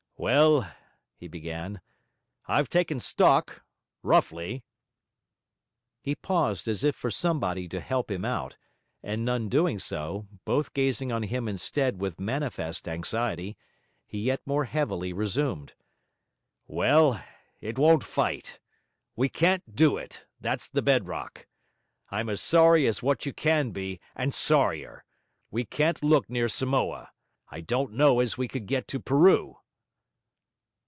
'Well,' he began, 'I've taken stock roughly.' He paused as if for somebody to help him out; and none doing so, both gazing on him instead with manifest anxiety, he yet more heavily resumed. 'Well, it won't fight. We can't do it; that's the bed rock. I'm as sorry as what you can be, and sorrier. We can't look near Samoa. I don't know as we could get to Peru.'